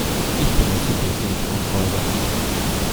Ich bin der zukünftige Thronfolger.